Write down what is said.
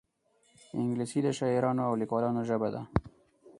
انګلیسي د شاعرانو او لیکوالانو ژبه ده